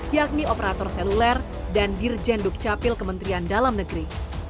yakni operator seluler dan dirjen dukcapil kementerian dalam negeri